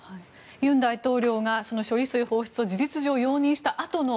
尹大統領が処理水放出を事実上容認したあとの